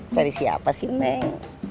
cari siapa sih neng